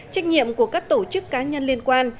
trách nhiệm của các tổ chức cá nhân liên quan